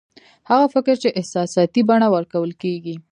هغه فکر چې احساساتي بڼه ورکول کېږي